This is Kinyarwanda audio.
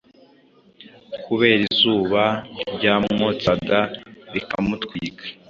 kubera izuba ryamwotsaga rikamutwika